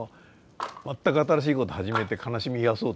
全く新しいこと始めて悲しみ癒やそうと思って。